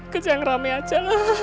kejang rame aja